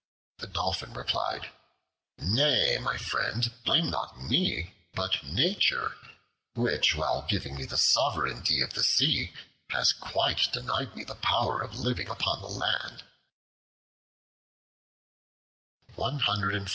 The Dolphin replied, "Nay, my friend, blame not me, but Nature, which, while giving me the sovereignty of the sea, has quite denied me the power of living upon the land."